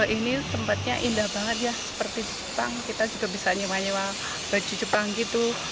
ini tempatnya indah banget ya seperti jepang kita juga bisa nyewa nyewa baju jepang gitu